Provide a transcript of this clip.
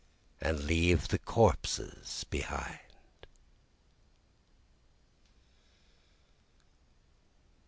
and leave the corpses behind.